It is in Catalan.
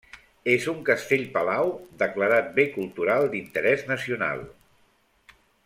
És un castell palau declarat bé cultural d'interès nacional.